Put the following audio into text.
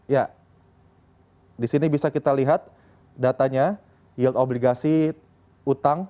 ya disini bisa kita lihat datanya yield obligasi utang